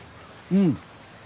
うん。